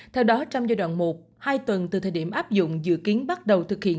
theo đó trong giai đoạn một hai tuần từ thời điểm áp dụng dự kiến bắt đầu thực hiện